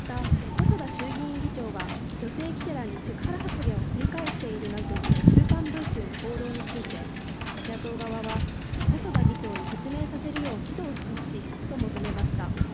また、細田衆議院議長が女性記者らにセクハラ発言を繰り返しているなどとする『週刊文春』の報道について、野党側は細田衆議院議長に説明させるよう指導してほしいと求めました。